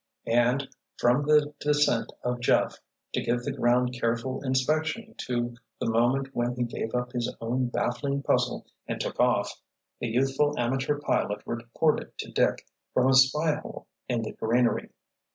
And, from the descent of Jeff, to give the ground careful inspection to the moment when he gave up his own baffling puzzle and took off, the youthful amateur pilot reported to Dick, from a spy hole in the greenery.